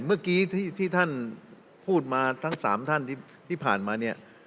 เมื่อกี้ที่ท่านพูดมาทั้ง๓ท่านที่ผ่านมาเนี่ย